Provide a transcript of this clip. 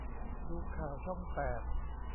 ดูข่าวช่องแปด